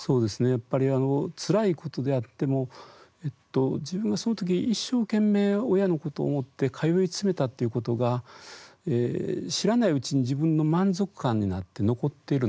やっぱりあのつらいことであっても自分がその時一生懸命親のことを思って通い詰めたっていうことが知らないうちに自分の満足感になって残っているんだと思うんですね。